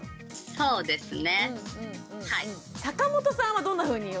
そうですよね。